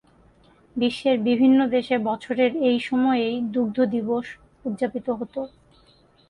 বিশ্বের বিভিন্ন দেশে বছরের এই সময়েই দুগ্ধ দিবস উদযাপিত হতো।